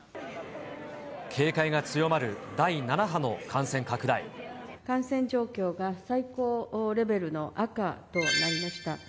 警戒が強まる第７波の感染拡感染状況が最高レベルの赤となりました。